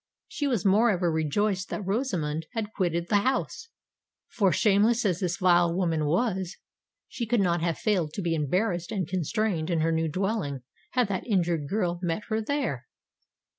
She was moreover rejoiced that Rosamond had quitted the house;—for, shameless as this vile woman was, she could not have failed to be embarrassed and constrained in her new dwelling, had that injured girl met her there!